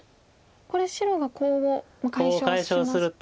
これ白がコウを解消しますと。